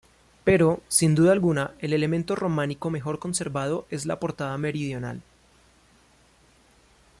Pero, sin duda alguna, el elemento románico mejor conservado es la portada meridional.